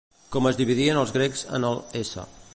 Com es dividien els grecs en el s.